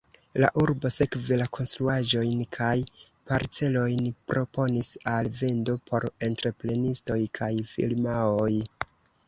La urbo sekve la konstruaĵojn kaj parcelojn proponis al vendo por entreprenistoj kaj firmaoj.